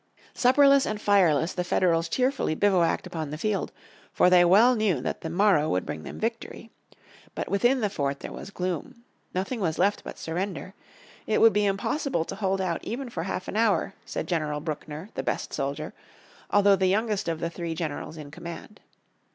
Supperless and fireless, the Federals cheerfully bivouacked upon the field, for they well knew that the morrow would bring them victory. But within the fort there was gloom. Nothing was left but surrender. It would be impossible to hold out even for half an hour, said General Buckner, the best soldier, although the youngest of the three generals in command.